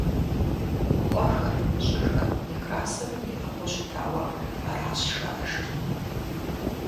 Мы къуэхэр, щӀыхэр Некрасовым иӀыгъыу щытауэ аращ жаӀэжыр.